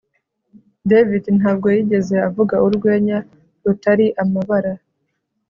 David ntabwo yigeze avuga urwenya rutari amabara